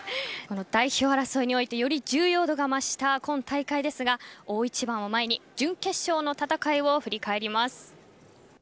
代表争いにおいてより重要度が増した今大会ですが大一番を前に準決勝の戦いを振り返ります。